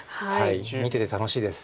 見てて楽しいです。